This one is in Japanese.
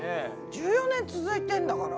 １４年続いてんだから。